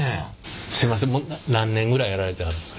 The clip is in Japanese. すいません何年ぐらいやられてはるんですか？